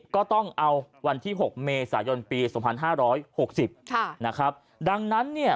ก็ต้องเอาวันที่หกเมษายนปีสองพันห้าร้อยหกสิบค่ะนะครับดังนั้นเนี่ย